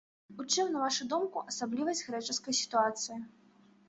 У чым, на вашу думку, асаблівасць грэчаскай сітуацыі?